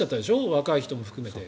若い人も含めて。